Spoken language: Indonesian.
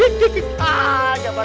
aduh jangan pak rapa tenggabah